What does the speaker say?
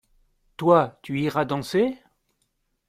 Toi tu iras danser ?